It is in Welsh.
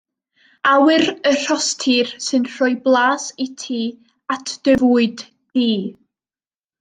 Awyr y rhostir sy'n rhoi blas i ti at dy fwyd di.